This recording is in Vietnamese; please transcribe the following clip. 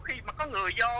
khi mà có người vô